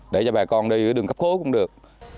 để cho bà con đi đường cấp khối cũng được